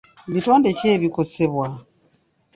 Bitonde ki ebikosebwa?